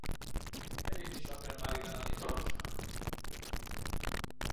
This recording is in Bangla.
এটি একটি সরকারী মালিকানাধীন প্রকাশনা।